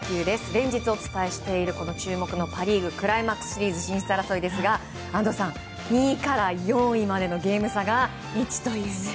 連日お伝えしている注目のパ・リーグクライマックスシリーズ進出争いですが安藤さん２位から４位までのゲーム差が１というね。